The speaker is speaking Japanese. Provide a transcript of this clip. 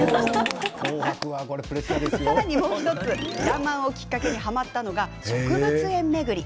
さらに、もう１つ「らんまん」をきっかけにはまったのが植物園巡り。